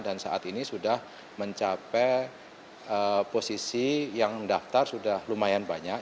dan saat ini sudah mencapai posisi yang mendaftar sudah lumayan banyak